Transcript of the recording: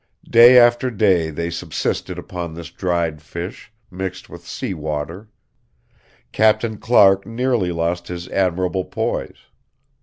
Day after day they subsisted upon this dried fish, mixed with sea water. Captain Clark nearly lost his admirable poise.